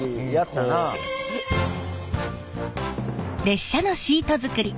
列車のシート作り